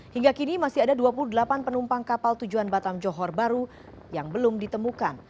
hingga kini masih ada dua puluh delapan penumpang kapal tujuan batam johor baru yang belum ditemukan